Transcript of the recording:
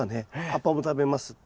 葉っぱも食べます。